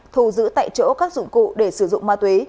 thù giữ tại chỗ các dụng cụ để sử dụng ma túy